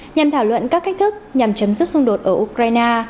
nhằm thảo luận các cách thức nhằm chấm dứt xung đột ở ukraine